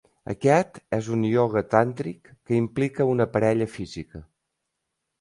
Aquest és un ioga tàntric que implica una parella física.